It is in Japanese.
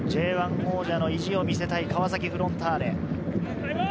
Ｊ１王者の意地を見せたい川崎フロンターレ。